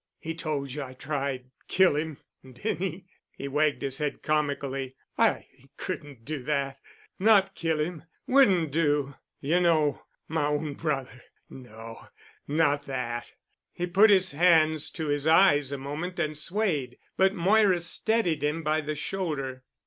"He told you I tried—kill him—didn' he?" He wagged his head comically. "I couldn' do that—not kill 'im—wouldn't do y'know—m'own brother—no—not that——" He put his hands to his eyes a moment and swayed, but Moira steadied him by the shoulder.